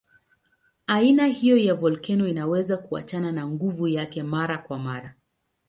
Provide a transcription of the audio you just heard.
Aina hiyo ya volkeno inaweza kuachana na nguvu yake mara kwa mara.